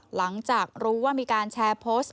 หลังจากรู้ว่ามีการแชร์โพสต์